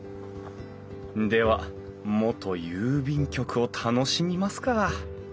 では元郵便局を楽しみますか！